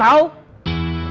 murat dan pipit